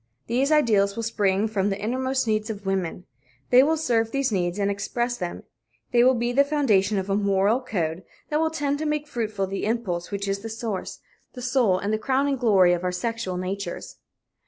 These ideals will spring from the innermost needs of women. They will serve these needs and express them. They will be the foundation of a moral code that will tend to make fruitful the impulse which is the source, the soul and the crowning glory of our sexual natures.